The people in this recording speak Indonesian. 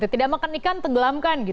tidak makan ikan tenggelamkan